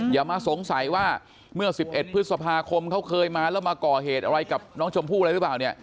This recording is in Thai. อย่ามาสงสัยว่าเมื่อ๑๑พฤษภาคมเขาเคยมาแล้วมาก่อเหตุอะไรกับน้องชมพู่อะไรหรือเปล่าเนี่ย